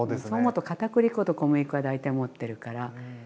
そう思うとかたくり粉と小麦粉は大体持ってるから。